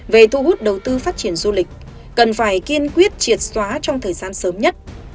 về thu hút đầu tư phát triển du lịch cần phải kiên quyết triệt xóa trong thời gian sớm nhất